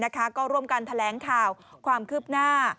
ก็ร่วมกันแถลงข่าวความคืบหน้า